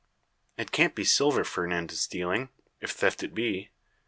"It can't be silver Fernand is stealing if theft it be.